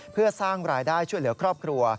เพื่อสร้างรายได้ช่วยเหลือครอบครัว